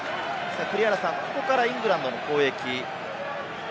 ここからイングランドの攻撃。